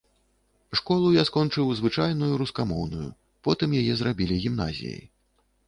Школу я скончыў звычайную рускамоўную, потым яе зрабілі гімназіяй.